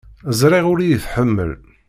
Ẓriɣ ur iyi-tḥemmel.